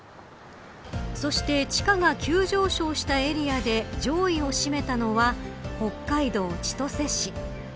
そして地価が急上昇したエリアで上位を占めたのは北海道千歳市。